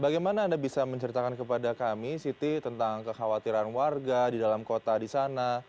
bagaimana anda bisa menceritakan kepada kami siti tentang kekhawatiran warga di dalam kota di sana